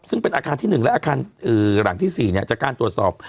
ซึ่งเป็นอาคารที่๑และอาคารหลังที่๔จากการตรวจสอบ